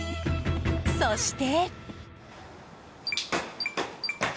そして。